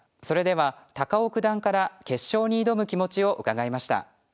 それでは高尾九段から決勝に挑む気持ちを伺いました。